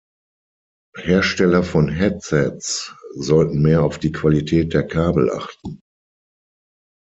Hersteller von Headsets sollten mehr auf die Qualität der Kabel achten.